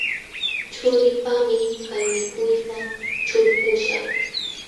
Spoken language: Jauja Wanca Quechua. Chuliipaqmi kay mikuyta ćhulpuśhaq.